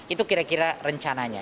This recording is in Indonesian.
itu kira kira rencananya